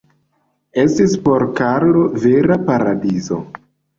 Estis por Karlo vera paradizo.